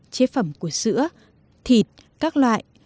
chế phẩm của sữa thịt các loại